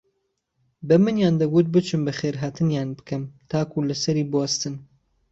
بەمنیان دەگوت بچم بەخێرهاتنیان بکەم تاوەکو لەسەری بووەستن